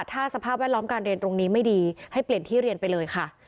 ถ้าสภาพแวดล้อมการเรียนตรงนี้ไม่ดีให้เปลี่ยนที่เรียนไปเลยค่ะ